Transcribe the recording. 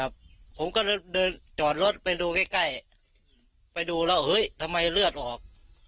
ผมก็เลยเดินจอดรถไปดูใกล้ใกล้ไปดูแล้วเฮ้ยทำไมเลือดออก